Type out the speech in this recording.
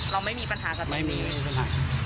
อ๋อเราไม่มีปัญหาจากที่นี้ไม่มีไม่มีปัญหา